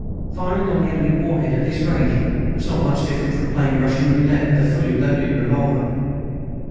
Firing on the enemy warhead at this range was not much different from playing Russian Roulette with a fully loaded revolver.